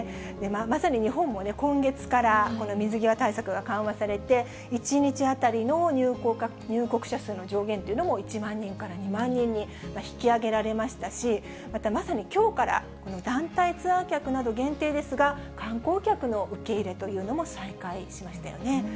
まさに日本も今月から水際対策が緩和されて、１日当たりの入国者数の上限というのも１万人から２万人に引き上げられましたし、またまさにきょうから、団体ツアー客など限定ですが、観光客の受け入れというのも再開しましたよね。